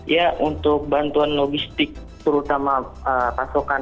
ya untuk bantuan logistik terutama pasokan